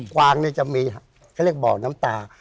กวางเนี่ยจะมีเขาเรียกบ่อน้ำตา